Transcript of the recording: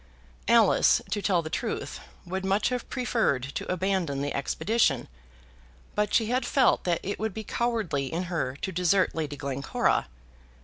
Alice, to tell the truth, would much have preferred to abandon the expedition, but she had felt that it would be cowardly in her to desert Lady Glencora.